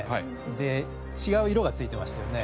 違う色がついてましたよね。